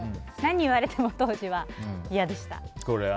何を言われても当時は嫌でした。